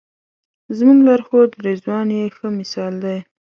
زموږ لارښود رضوان یې ښه مثال دی.